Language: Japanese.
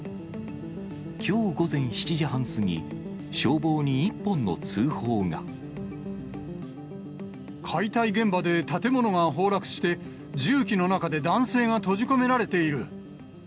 きょう午前７時半過ぎ、解体現場で建物が崩落して、重機の中で男性が閉じ込められている。